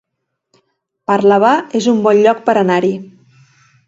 Parlavà es un bon lloc per anar-hi